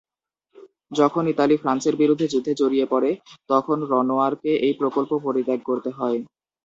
যখন ইতালি ফ্রান্সের বিরুদ্ধে যুদ্ধে জড়িয়ে পড়ে তখন রনোয়ারকে এই প্রকল্প পরিত্যাগ করতে হয়।